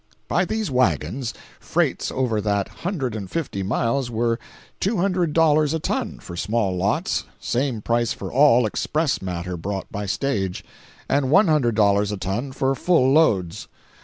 By these wagons, freights over that hundred and fifty miles were $200 a ton for small lots (same price for all express matter brought by stage), and $100 a ton for full loads.